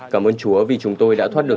cảm ơn chúa vì chúng tôi đã thoát được